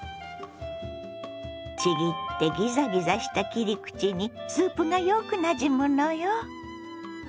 ちぎってギザギザした切り口にスープがよくなじむのよ。